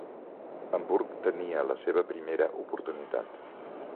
Hamburg tenia la seva primera oportunitat.